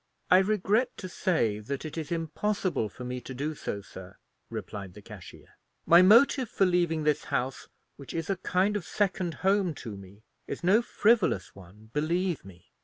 "I regret to say that it is impossible for me to do so, sir," replied the cashier; "my motive for leaving this house, which is a kind of second home to me, is no frivolous one, believe me.